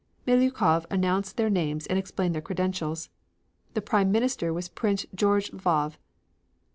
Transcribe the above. Miliukov announced their names and explained their credentials. The Prime Minister was Prince George Lvov.